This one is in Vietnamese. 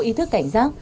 ý thức cảnh giác